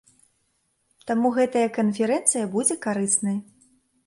Таму гэтая канферэнцыя будзе карыснай.